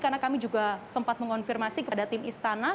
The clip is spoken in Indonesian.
karena kami juga sempat mengonfirmasi kepada tim istana